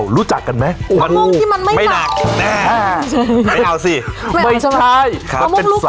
ฮือ